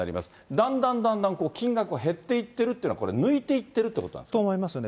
だんだんだんだん金額が減っていってるというのは、これ、抜いていってるってことなんですか。と思いますよね。